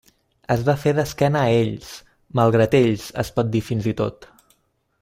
Es va fer d'esquena a ells, malgrat ells, es pot dir fins i tot.